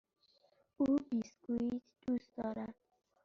او بیسکوییت دوست دارد.